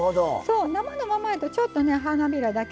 生のままやと、ちょっと花びらだけ